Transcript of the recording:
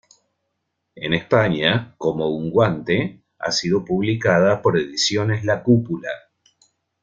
En España, "Como un guante..." ha sido publicada por ediciones La Cúpula.